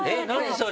それ！